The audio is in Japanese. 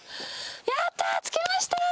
やったー、着きました。